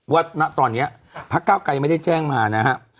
ณตอนนี้พักเก้าไกรไม่ได้แจ้งมานะครับ